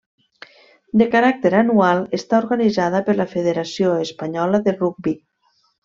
De caràcter anual, està organitzada per la Federació Espanyola de Rugbi.